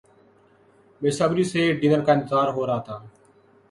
بےصبری سے ڈنر کا انتظار ہورہا تھا